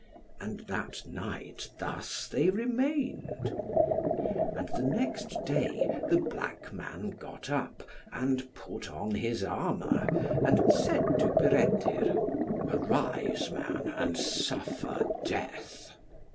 And that night thus they remained. And the next day the black man got up, and put on his armour, and said to Peredur, "Arise, man, and suffer death."